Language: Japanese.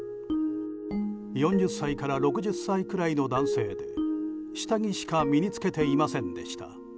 ４０歳から６０歳くらいの男性で下着しか身に着けていませんでした。